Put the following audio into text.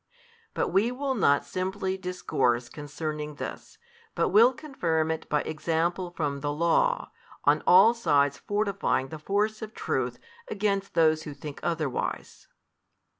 But we will not simply discourse |356 concerning this, but will confirm it by example from the Law, on all sides fortifying the force of truth against those who think otherwise.